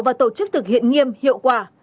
và tổ chức thực hiện nghiêm hiệu quả